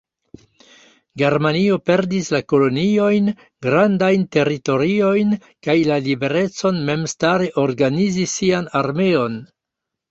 Germanio perdis la koloniojn, grandajn teritoriojn kaj la liberecon memstare organizi sian armeon.